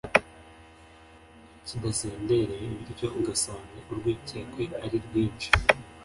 kidasendereye bityo ugasanga urwikekwe ari rwinshi